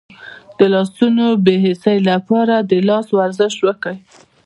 د لاسونو د بې حسی لپاره د لاس ورزش وکړئ